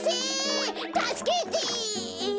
たすけてえ？